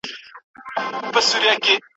خپله ونه، خپل مو تبر، خپل مو لاس دی